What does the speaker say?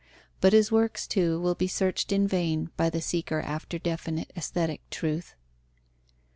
But his works, too, will be searched in vain by the seeker after definite aesthetic truth.